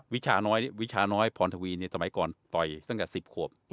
วิชาน้อยพรธวีสมัยก่อนต่อยซึ่งกับ๑๐บาท